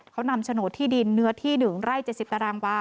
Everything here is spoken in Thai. เขานำโฉนดที่ดินเนื้อที่๑ไร่๗๐ตารางวา